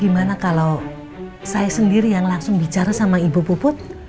gimana kalau saya sendiri yang langsung bicara sama ibu puput